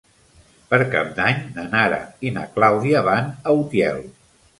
Per Cap d'Any na Nara i na Clàudia van a Utiel.